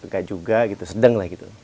gak juga gitu sedang lah gitu